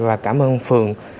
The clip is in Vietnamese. và cảm ơn phường